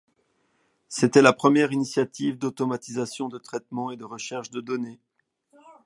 C’était la première initiative d’automatisation de traitement et de recherche de données.